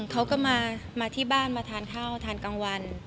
เขาก็มาที่บ้านมาทานข้าวทานกลางวัน